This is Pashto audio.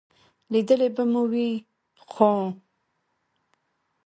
لیدلی به مې وي، خو ...